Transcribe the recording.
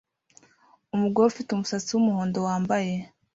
Umugore ufite umusatsi wumuhondo wambaye